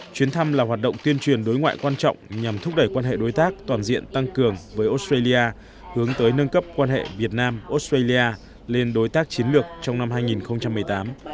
chuyến thăm là hoạt động tuyên truyền đối ngoại quan trọng nhằm thúc đẩy quan hệ đối tác toàn diện tăng cường với australia hướng tới nâng cấp quan hệ việt nam australia lên đối tác chiến lược trong năm hai nghìn một mươi tám